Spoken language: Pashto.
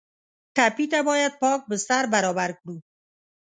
ټپي ته باید پاک بستر برابر کړو.